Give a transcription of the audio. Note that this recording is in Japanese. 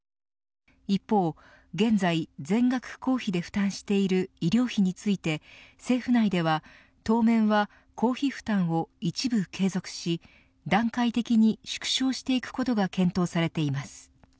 一方、現在全額公費で負担している医療費について政府内では当面は公費負担を一部継続し段階的に縮小していくことが検討されています。